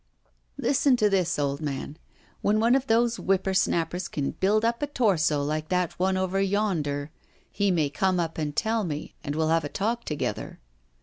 'Listen to this, old man: when one of those whipper snappers can build up a torso like that one over yonder, he may come up and tell me, and we'll have a talk together.